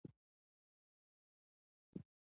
ملالۍ غازیانو ته خوراک او اوبه رسولې.